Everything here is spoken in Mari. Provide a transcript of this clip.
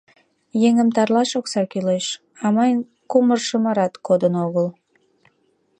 — Еҥым тарлаш окса кӱлеш, а мыйын кумыр-шымырат кодын огыл.